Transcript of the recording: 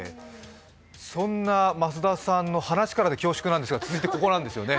そんな増田さんの話からで恐縮なんですが続いて、ここなんですよね。